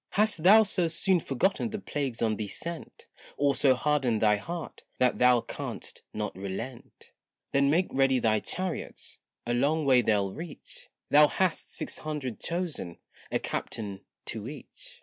Hast thou so soon forgotten the plagues on thee sent, Or so hardened thy heart that thou can'st not relent? Then make ready thy chariots, a long way they'll reach; Thou hast six hundred chosen, a captain to each.